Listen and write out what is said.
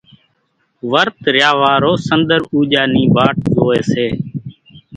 ورت ريا وارو سنۮر اُوڄان ني واٽ زوئي سي